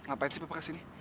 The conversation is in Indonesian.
apaan sih papa kesini